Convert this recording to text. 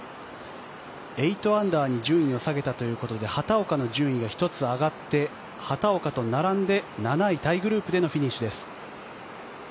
８アンダーに順位を下げたということで畑岡の順位が１つ上がって畑岡と並んで７位タイグループでのフィニッシュです。